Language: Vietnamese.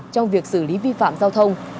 trong việc xử lý vi phạm giao thông